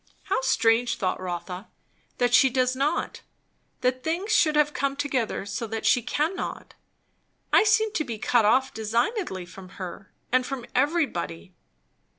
How strange, thought Rotha, that she does not that things should have come together so that she cannot! I seem to be cut off designedly from her, and from everybody.